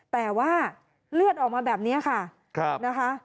แต่ว่าเลือดออกมาแบบนี้ค่ะนะคะ